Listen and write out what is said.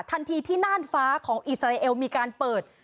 ทันทีที่น่านฟ้าของอิสราเอลมีการเปิด